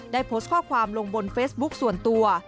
ได้โพสต์ข้อความลงบนเฟซบุ๊คส่วนตัว